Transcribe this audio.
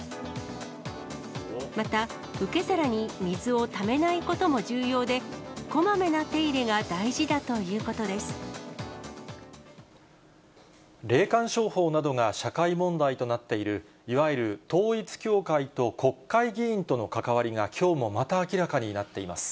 また、受け皿に水をためないことも重要で、こまめな手入れが大事だとい霊感商法などが社会問題となっている、いわゆる統一教会と国会議員との関わりが、きょうもまた明らかになっています。